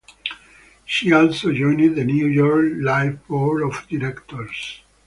She also joined the New York Life Board of Directors.